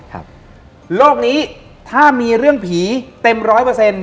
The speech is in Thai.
โลกนี้ถ้ามีเรื่องผีเต็มร้อยเปอร์เซ็นต